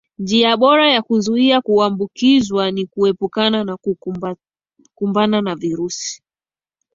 Njia bora ya kuzuia kuambukizwa ni kuepukana na kukumbana na virusi